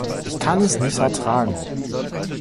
Ich kann es nicht ertragen!